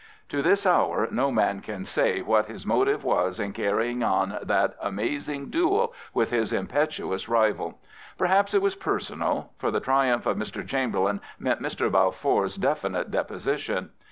To this hour no man can say what his motive was in carrying on that amazing duel with his impetuous rival. Perhaps it was personal, for the triumph of Mr. Chamberlain meant Mr. Balfour's definite deposi tion.